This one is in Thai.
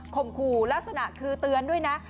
มขู่ลักษณะคือเตือนด้วยนะ